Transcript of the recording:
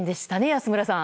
安村さん。